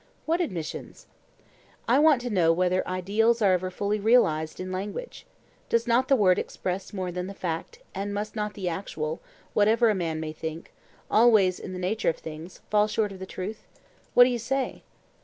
What admissions? I want to know whether ideals are ever fully realized in language? Does not the word express more than the fact, and must not the actual, whatever a man may think, always, in the nature of things, fall short of the truth? What do you say?